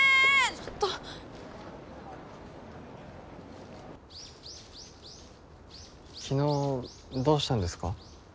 ちょっと昨日どうしたんですか？